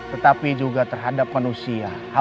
tetapi juga terhadap manusia